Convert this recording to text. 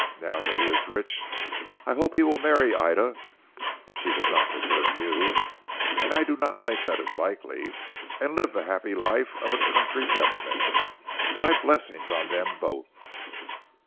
Now that he is rich I hope he will marry Ida (if she does not 'prefer you, and I do not think that is likely), and live the happy life of a country gentleman. My blessings on them both.